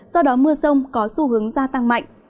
do đó mưa sông có xu hướng gia tăng mạnh